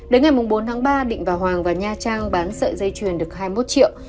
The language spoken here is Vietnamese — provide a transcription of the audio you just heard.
đến ngày bốn tháng ba định và hoàng và nha trang bán sợi dây chuyền được hai mươi một triệu